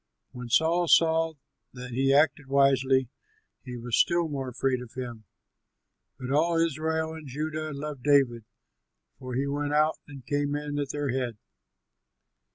When Saul saw that he acted wisely, he was still more afraid of him. But all Israel and Judah loved David, for he went out and came in at their head.